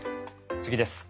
次です。